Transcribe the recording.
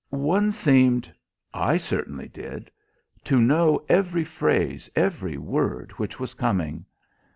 One seemed I certainly did to know every phrase, every word which was coming.